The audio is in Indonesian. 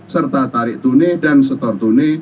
serta tarik tunai dan setor tunai